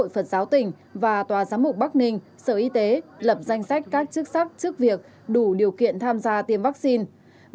phật giáo tỉnh và tòa giám mục bắc ninh sở y tế lập danh sách các chức sắc chức việc đủ điều kiện tham gia tiêm vaccine